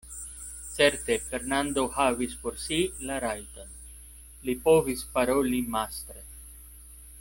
Certe Fernando havis por si la rajton: li povis paroli mastre.